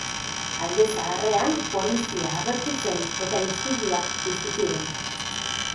Alde Zaharrean, polizia agertu zen, eta istiluak piztu ziren.